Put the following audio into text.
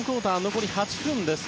残り８分です。